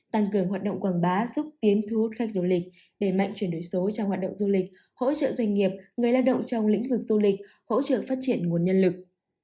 tăng cường hoạt động quảng bá xúc tiến thu hút khách du lịch đẩy mạnh chuyển đổi số trong hoạt động du lịch hỗ trợ doanh nghiệp người lao động trong lĩnh vực du lịch hỗ trợ phát triển nguồn nhân lực